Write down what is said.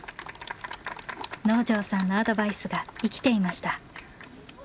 能條さんのアドバイスが生きていました。